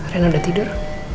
reina udah tidur